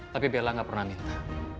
tapi bella gak pernah nikah